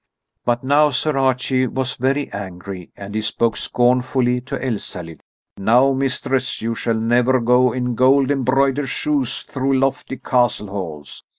But now Sir Archie was very angry, and he spoke scornfully to Elsalill. "Now, mistress, you shall never go in gold embroidered shoes through lofty castle halls.